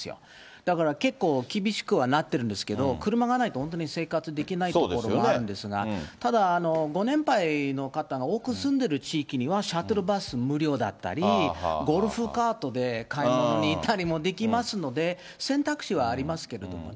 だから結構厳しくはなってるんですけど、車がないと本当に生活できない所もあるんですが、ただ、ご年配の方が多く住んでる地域にはシャトルバス無料だったり、ゴルフカートで買い物に行ったりもできますので、選択肢はありますけれどもね。